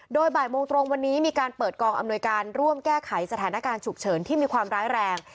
โดยบ่ายโมงตรงวันนี้มีการเปิดกองอำนวยการร่วมแก้ไขสถานการณ์ฉุกเฉินที่มีความร้ายแรง